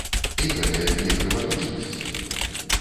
І гэта не крывадушнасць.